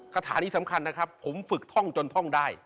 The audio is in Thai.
คาถานี้สำคัญนะครับผมฝึกท่องจนท่องได้